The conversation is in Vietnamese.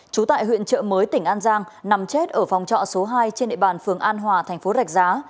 trú tại huyện trợ mới tỉnh an giang nằm chết ở phòng trọ số hai trên địa bàn phường an hòa thành phố rạch giá